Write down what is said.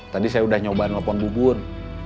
tadi saya udah nyoba nelfon bu bun